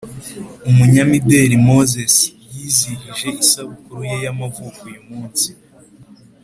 Umunyamideri moses yizihije isabukuru ye yamavuko uyumunsi